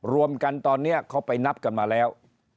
รวมกันตอนนี้เขาไปนับกันมาแล้ว